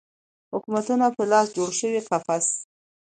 حکومتونو په لاس جوړ شوی قفس